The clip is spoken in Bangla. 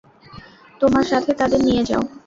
তোমার সাথে তাদের নিয়ে যাও।